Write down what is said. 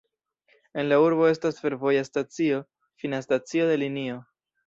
En la urbo estas fervoja stacio, fina stacio de linio.